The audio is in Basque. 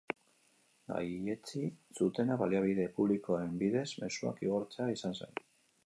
Gaitzetsi zutena baliabide publikoen bidez mezuak igortzea izan zen.